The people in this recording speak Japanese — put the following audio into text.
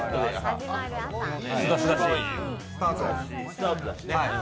スタートだしね。